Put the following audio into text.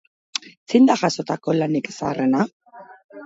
Zein da jasotako lanik zaharrena?